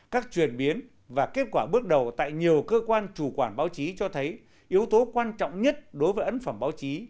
các chuyển biến và kết quả bước đầu tại nhiều cơ quan chủ quản báo chí cho thấy yếu tố quan trọng nhất đối với ấn phẩm báo chí